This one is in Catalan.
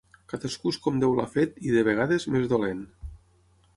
Cadascú és com Déu l'ha fet i, de vegades, més dolent.